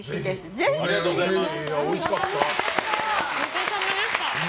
ぜひ！ありがとうございます。